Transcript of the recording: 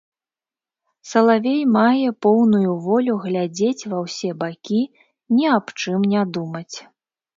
Салавей мае поўную волю глядзець ва ўсе бакі, ні аб чым не думаць.